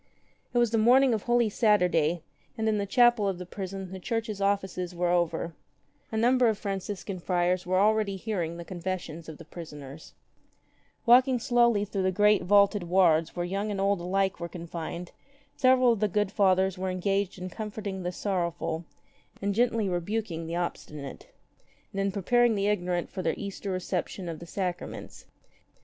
It was the morning of Holy Saturday, and in the chapel of the prison the Church's offices were over. A number of Franciscan friars were already hearing the confessions of ^ In some cities two prisoners were always released at Christmas, Easter, and Pentecost. 36 the prisoners. Walking slowly through the great vaulted wards where young and old alike were confined, several of the good Fathers were engaged in comforting the sorrow ful, in gently rebuking the obstinate, and in preparing the ignorant for their Easter reception of the sacraments.